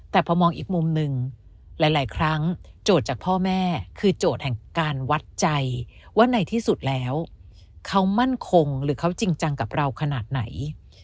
แต่พอมองอีกมุมหนึ่งหลายครั้งโจทย์จากพ่อแม่คือโจทย์แห่งการวัดใจว่าในที่สุดแล้วเขามั่นคงหรือเขาจริงจังกับเราขนาดไหน